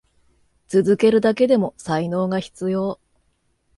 続けるだけでも才能が必要。